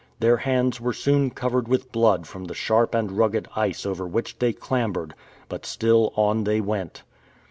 Their hands were soon covered with blood from the sharp and rugged ice over which they clambered, but still on they went.